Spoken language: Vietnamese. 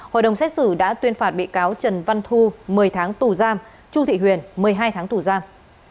hội đồng xét xử đã tuyên phạt bị cáo trần văn thu một mươi tháng tù giam chu thị huyền một mươi hai tháng tù giam